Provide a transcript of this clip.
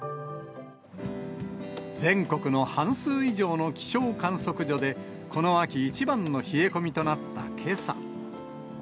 全国の半数以上の気象観測所で、この秋、一番の冷え込みとなったけさ。